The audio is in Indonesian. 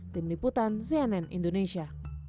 tim liputan cnn indonesia